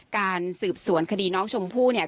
การสืบสวนคดีน้องชมพู่เนี่ย